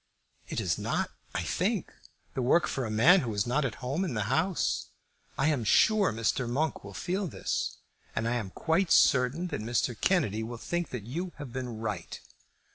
It is not, I think, the work for a man who is not at home in the House. I am sure Mr. Monk will feel this, and I am quite certain that Mr. Kennedy will think that you have been right."